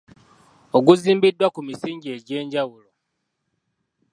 Oguzimbiddwa ku misingi egyenjawulo.